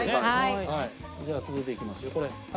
じゃあ続いていきますよこれ。